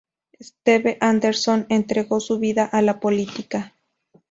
Steve Anderson entregó su vida a la política.